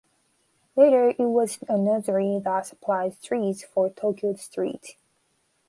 Later it was a nursery that supplied trees for Tokyo's streets.